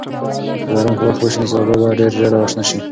که باران په وخت وشي، نو سابه به ډېر ژر راشنه شي.